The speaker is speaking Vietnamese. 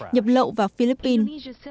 nhập lậu vào philippines